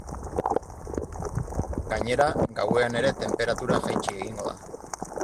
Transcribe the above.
Gainera, gauean ere tenperatura jaitsi egingo da.